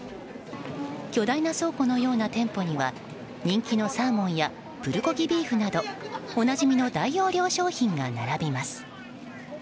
巨大な倉庫のような店舗には人気のサーモンやプルコギビーフなどおなじみの大容量商品が並びます。